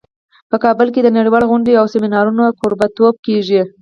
په کابل کې د نړیوالو غونډو او سیمینارونو کوربه توب کیږي